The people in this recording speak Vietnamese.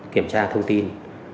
kiểm tra thông tin